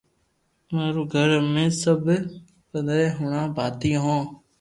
ماري گھر امي سب پندھري ھڻا ڀاتي ھين